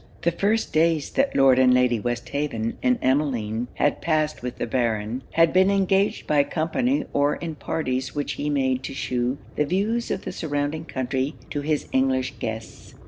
The first days that Lord and Lady Westhaven and Emmeline had passed with the Baron, had been engaged by company or in parties which he made to shew the views of the surrounding country to his English guests.